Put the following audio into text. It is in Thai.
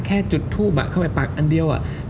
แค่จุดทูบเข้ายังปลักอันเรียว